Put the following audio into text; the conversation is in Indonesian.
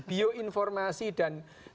bioinformasi dan teknologi